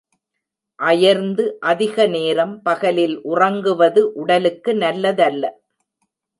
அயர்ந்து அதிக நேரம் பகலில் உறங்குவது உடலுக்கு நல்லதல்ல.